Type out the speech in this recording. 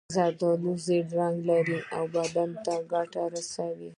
زردالو ژېړ رنګ لري او بدن ته ګټه رسوي.